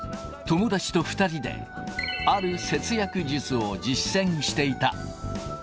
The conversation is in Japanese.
友達と２人で、ある節約術を実践していた。